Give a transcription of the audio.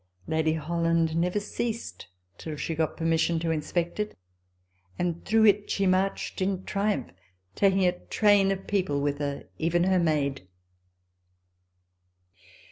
Lady Holland never ceased till she got permission to inspect it ; and through it she marched in triumph, taking a train of people with her, even her maid.